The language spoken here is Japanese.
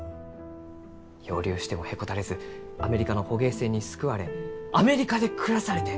漂流してもへこたれずアメリカの捕鯨船に救われアメリカで暮らされて！